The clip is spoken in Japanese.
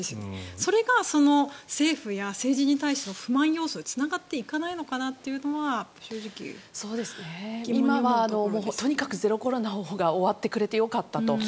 それが政府や政治に対しての不満要素につながっていかないのかというのは今はゼロコロナが終わってくれてよかったと。